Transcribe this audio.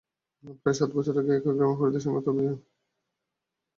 প্রায় সাত বছর আগে একই গ্রামের ফরিদের সঙ্গে তাঁর বিয়ে হয়।